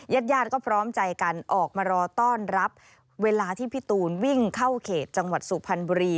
ญาติญาติก็พร้อมใจกันออกมารอต้อนรับเวลาที่พี่ตูนวิ่งเข้าเขตจังหวัดสุพรรณบุรี